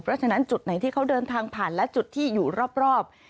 เพราะฉะนั้นจุดไหนที่เขาเดินทางผ่านและจุดที่อยู่รอบ